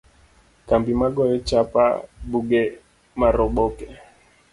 Kambi ma goyo chapa buge mar oboke.